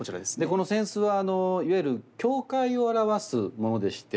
この扇子はいわゆる境界を表すものでして。